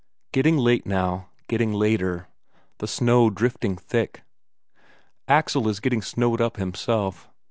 Getting late now, getting later, the snow drifting thick; Axel is getting snowed up himself.